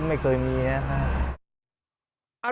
ก็ไม่เคยมีนะค่ะ